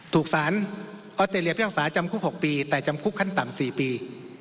ถูกสารออสเตรเลียพิพากษาจำคุก๖ปีแต่จำคุกขั้นต่ำ๔ปี